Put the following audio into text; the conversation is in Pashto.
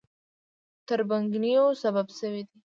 تربګنیو سبب شوي دي.